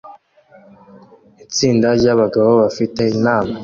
Itsinda ryabagabo bafite inama